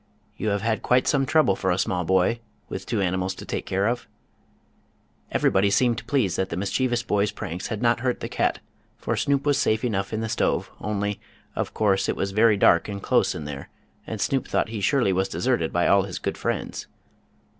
"You have had quite some trouble for a small boy, with two animals to take care of." Everybody seemed pleased that the mischievous boys' pranks had not hurt the cat, for Snoop was safe enough in the stove, only, of course, it was very dark and close in there, and Snoop thought he surely was deserted by all his good friends.